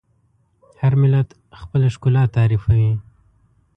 هر ملت خپله ښکلا تعریفوي.